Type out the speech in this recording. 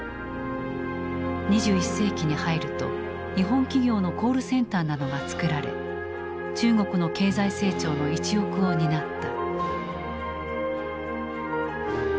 ２１世紀に入ると日本企業のコールセンターなどがつくられ中国の経済成長の一翼を担った。